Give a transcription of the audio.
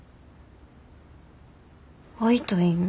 会いたいん？